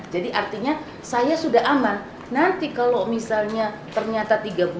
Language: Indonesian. jadi artinya saya sudah aman nanti kalau misalnya ternyata tiga bulan lagi ya